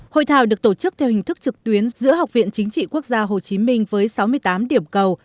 hội thảo được tổ chức theo hình thức trực tuyến giữa học viện chính trị quốc gia hồ chí minh với sáu mươi tám điểm cầu